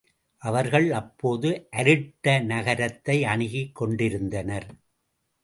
அவர்கள் அப்போது அருட்ட நகரத்தை அணுகிக் கொண்டிருந்தனர்.